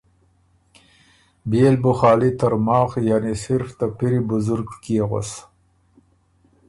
بيې ل بُو خالی ترماخ یعنی صرف ته پِری بزرګ کيې غؤس؟